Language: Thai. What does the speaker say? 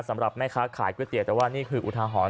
สำหรับแม่ค้าขายก๋วยเตี๋ยวแต่ว่านี่คืออุทาหรณ์